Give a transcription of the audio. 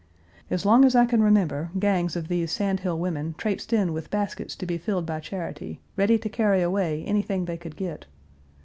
As long as I can remember, gangs of these Sandhill women traipsed in with baskets to be filled by charity, ready to carry away anything they could get.